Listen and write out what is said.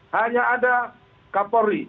hanya ada kapolri